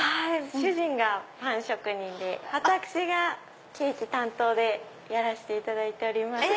主人がパン職人で私がケーキ担当でやらせていただいております。